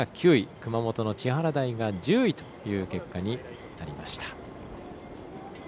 熊本の千原台が１０位という結果になりました。